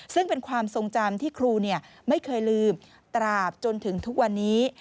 ซึ่งเป็นความทรงจำที่ครูไม่เคยลืมตราบจนถึงทุกวันนี้